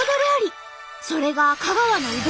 それが香川のうどんと合体？